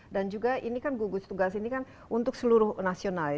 dan juga ini kan gugus tugas ini kan untuk seluruh nasional ya